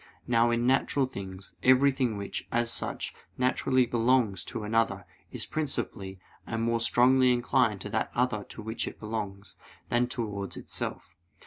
Now, in natural things, everything which, as such, naturally belongs to another, is principally, and more strongly inclined to that other to which it belongs, than towards itself.